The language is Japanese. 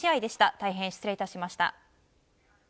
大変失礼しました。